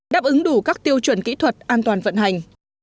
đáp ứng đủ các tiêu chuẩn kỹ thuật an toàn vận hành